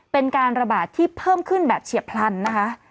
เป็นการระบาดที่เพิ่มขึ้นแบบเฉียบพลันนะคะ